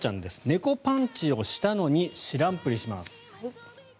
猫パンチをしたのに知らんぷりします。